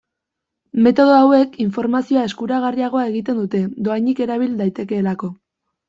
Metodo hauek informazioa eskuragarriagoa egiten dute, dohainik erabili daitekeelako.